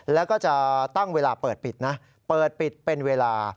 แล้วก็จะตั้งเวลาเปิดปิดนะเปิดปิดเป็นเวลา